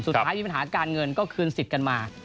สุดท้ายมีปัญหาการเงินก็คืนสิทธิ์กันมา